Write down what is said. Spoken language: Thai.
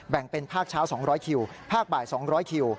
เป็นภาคเช้า๒๐๐คิวภาคบ่าย๒๐๐คิว